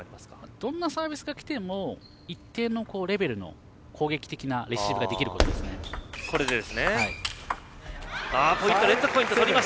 どんなサービスがきても一定のレベルの攻撃的なレシーブができると思います。